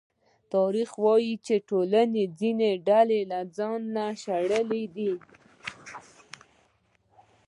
تاریخ وايي چې ټولنې ځینې ډلې له ځانه شړلې دي.